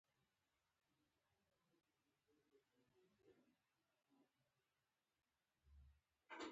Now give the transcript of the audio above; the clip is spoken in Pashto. کلامي موضوعات نه مطرح کېدل.